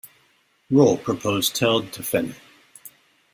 Rohl proposed Tell Defenneh.